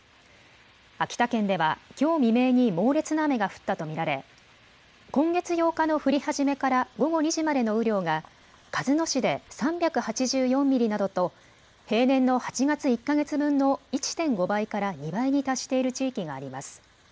秋田県ではきょう未明に猛烈な雨が降ったと見られ今月８日の降り始めから午後２時までの雨量が鹿角市で３８４ミリなどと平年の８月１か月分の１．５倍から２倍に達している地域があります。